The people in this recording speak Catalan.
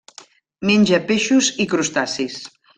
Menja peixos i crustacis.